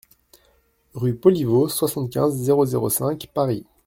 Rue Poliveau, soixante-quinze, zéro zéro cinq Paris